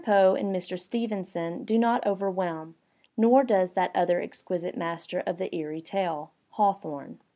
Poe and Mr. Stevenson do not overwhelm, nor does that other exquisite master of the eerie tale, Haw thorne.